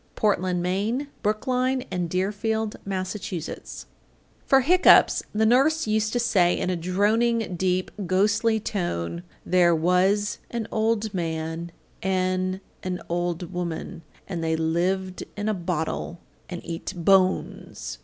Portland, Me., Brookline and Deerfield, Mass. 847. For hiccoughs the nurse used to say in a droning, deep, ghostly tone, There was an old man an' an old woman, And they lived in a bottle and eat BONES.